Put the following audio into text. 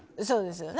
そうです。